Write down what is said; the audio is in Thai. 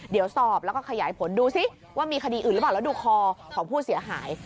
เดี๋ยวสอบแล้วก็ขยายผลดูซิว่ามีคดีอื่นหรือเปล่าแล้วดูคอของผู้เสียหาย